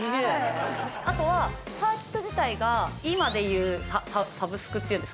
あとはサーキット自体が今でいうサブスクっていうんですか？